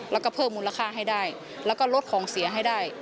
แล้วก็เพิ่มมูลค่าให้ได้แล้วก็ลดของเสียให้ได้